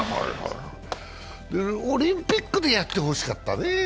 オリンピックでやってほしかったね。